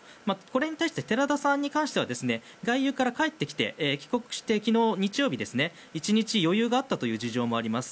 これに対して寺田さんに関しては外遊から帰ってきて昨日、日曜日１日余裕があったという事情もあります。